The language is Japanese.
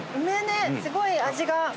梅ねすごい味が。